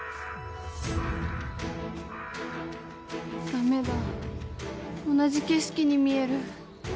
駄目だ同じ景色に見える。